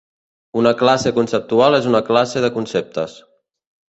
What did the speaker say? Una classe conceptual és una classe de conceptes.